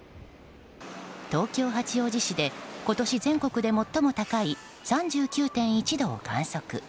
東京・八王子市で今年全国で最も高い３９．１度を観測。